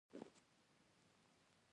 موږ د مرغیو سندرې اورېدلې.